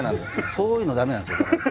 そういうの駄目なんですよ。